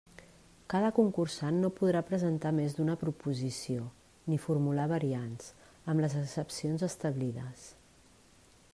Cada concursant no podrà presentar més d'una proposició, ni formular variants, amb les excepcions establides.